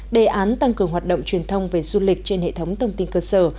đề án tăng cường hoạt động truyền thông về du lịch trên hệ thống thông tin cơ sở